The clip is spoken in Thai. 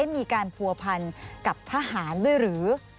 มีการผัวพันกับทหารด้วยหรือ